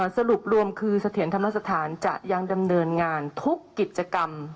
สรุปรวมคือเสถียรธรรมสถานจะยังดำเนินงานทุกกิจกรรม